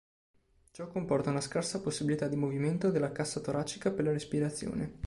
Ciò comporta una scarsa possibilità di movimento della cassa toracica per la respirazione.